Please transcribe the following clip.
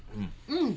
うん。